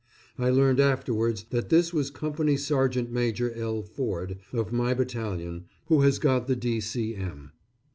I learned afterwards that this was Company Sergeant Major L. Ford, of my battalion, who has got the D.C.M.